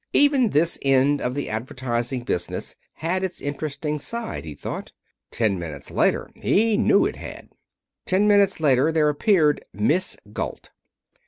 Even this end of the advertising business had its interesting side, he thought. Ten minutes later he knew it had. Ten minutes later there appeared Miss Galt.